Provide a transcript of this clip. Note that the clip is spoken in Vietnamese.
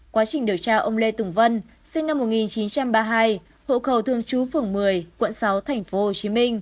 quá trình điều tra ông lê tùng vân sinh năm một nghìn chín trăm ba mươi hai hộ khẩu thường trú phường một mươi quận sáu tp hcm